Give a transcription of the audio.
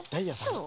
そう。